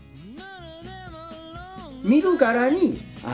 見るからにあ